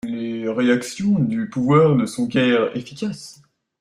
Les réactions du pouvoir ne sont guère efficaces.